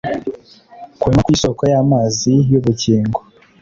kunywa ku isoko y amazi y ubugingo